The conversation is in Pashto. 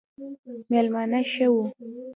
مېلمانه ښه وو